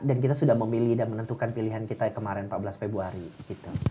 dan kita sudah memilih dan menentukan pilihan kita kemarin empat belas februari gitu